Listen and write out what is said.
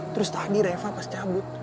terus tadi reva pas cabut